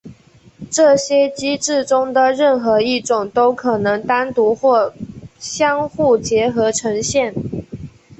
这些机制中的任何一种都可能单独或相互结合呈现。